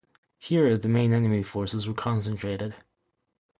Here the main enemy forces were concentrated.